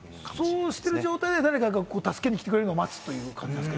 そうしてる状態で誰かが助けに来てくれるのを待つということですか？